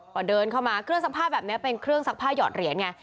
พอเดินเข้ามาเครื่องซักผ้าแบบนี้เป็นเครื่องซักผ้าหยอดเหรียญไง